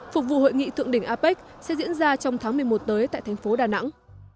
phục vụ hội nghị thượng đỉnh apec sẽ diễn ra trong tháng một mươi một tới tại thành phố đà nẵng